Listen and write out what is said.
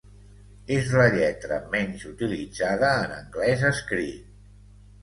És la lletra menys utilitzada en anglès escrit.